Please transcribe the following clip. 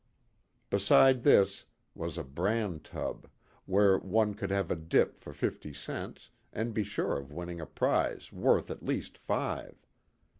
Beside this was a bran tub, where one could have a dip for fifty cents and be sure of winning a prize worth at least five.